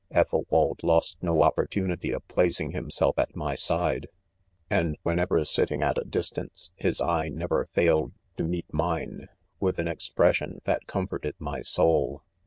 Ethel wald lost no opportunity of placing himself at my side j and whenever sitting at a distance^ Ms eye never failed to meet mine, with an ex pression that comforted my soul.